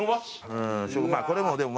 まあこれもでも。